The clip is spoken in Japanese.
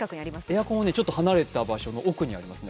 エアコンはちょっと離れた場所、奥にあります。